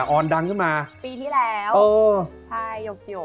ปีที่แล้วใช่ยก